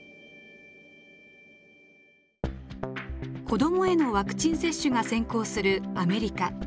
子どもへのワクチン接種が先行するアメリカ。